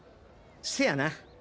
せやな。